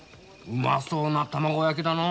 うまそうな卵焼きだな。